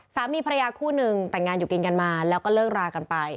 สามีภรรยาคู่นึงแต่งงานอยู่กินกันมาแล้วก็เลิกรากันไป